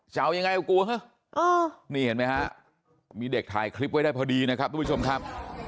จะเอายังไงก็กลัวนี่เห็นไหมฮะมีเด็กถ่ายคลิปไว้ได้พอดีนะครับทุกผู้ชมครับ